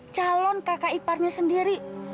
calon kakak iparnya sendiri